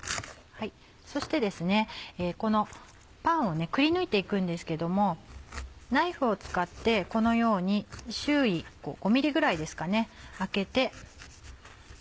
そしてこのパンをくりぬいて行くんですけどもナイフを使ってこのように周囲５ｍｍぐらいですかねあけて。